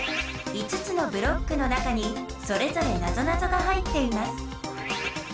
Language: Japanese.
５つのブロックの中にそれぞれなぞなぞが入っています。